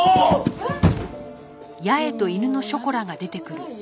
えっ？